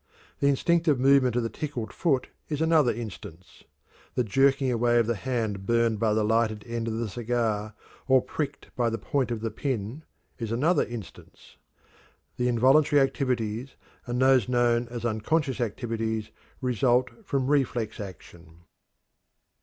The instinctive movement of the tickled foot is another instance. The jerking away of the hand burnt by the lighted end of the cigar, or pricked by the point of the pin, is another instance. The involuntary activities, and those known as unconscious activities, result from reflex action.